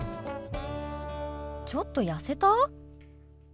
ちょっと痩せた？